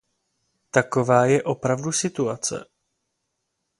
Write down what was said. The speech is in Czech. Taková je opravdu situace.